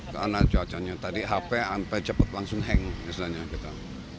karena cuacanya tadi hape hape cepet langsung hang misalnya